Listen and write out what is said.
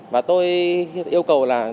và tôi yêu cầu là